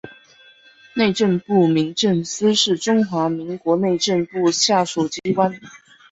内政部民政司是中华民国内政部下属机关。